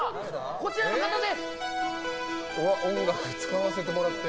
こちらの方です！